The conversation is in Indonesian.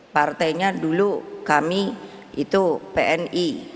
partainya dulu kami itu pni